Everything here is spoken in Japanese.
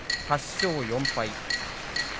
８勝４敗。